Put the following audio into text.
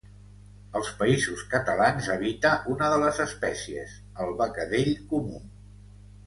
Als Països Catalans habita una de les espècies, el becadell comú.